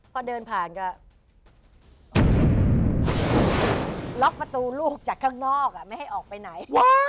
พอเดินผ่านก็ล็อกประตูลูกจากข้างนอกไม่ให้ออกไปไหน